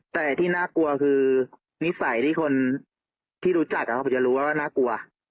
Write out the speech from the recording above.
แต่ที่น่ากลัวคือนิสัยที่คนที่รู้จักผมจะรู้ว่าน่ากลัว